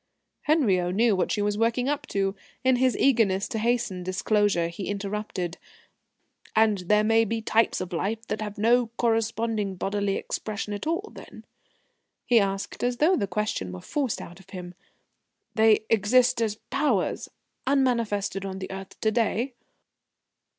Henriot knew what she was working up to. In his eagerness to hasten disclosure he interrupted "And there may be types of life that have no corresponding bodily expression at all, then?" he asked as though the question were forced out of him. "They exist as Powers unmanifested on the earth to day?"